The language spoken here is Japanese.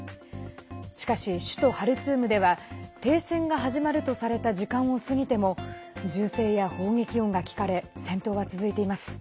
しかし首都ハルツームでは停戦が始まるとされた時間を過ぎても銃声や砲撃音が聞かれ戦闘は続いています。